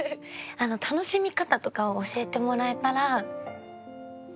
楽しみ方とかを教えてもらえたら。